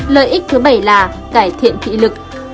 lợi ích thứ bảy là cải thiện thị lực